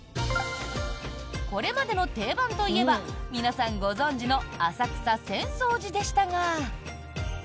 これまでの定番といえば皆さんご存じの浅草・浅草寺でしたが。